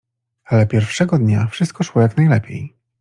Ale pierwszego dnia wszystko szło jak najlepiej.